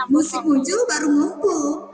musik muncul baru ngumpul